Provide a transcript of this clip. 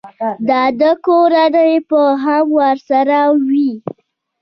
د ده کورنۍ به هم ورسره وي.